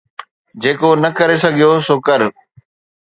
جيڪو نه ڪري سگهيو سو ڪر